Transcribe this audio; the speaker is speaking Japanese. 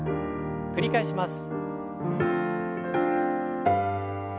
繰り返します。